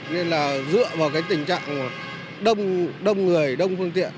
nên là dựa vào cái tình trạng đông người đông phương tiện